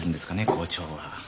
校長は。